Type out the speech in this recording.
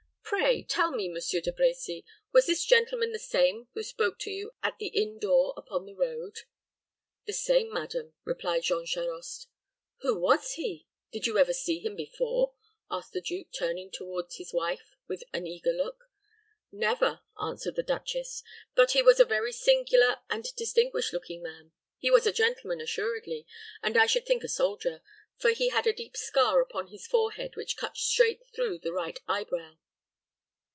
Pray, tell me, Monsieur de Brecy, was this gentleman the same who spoke to you at the inn door upon the road?" "The same, madam," replied Jean Charost. "Who was he? Did you ever see him before?" asked the duke, turning toward his wife with an eager look. "Never," answered the duchess; "but he was a very singular and distinguished looking man. He was a gentleman assuredly, and I should think a soldier; for he had a deep scar upon the forehead which cut straight through the right eyebrow."